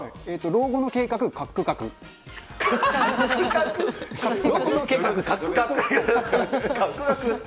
老後の計画かっ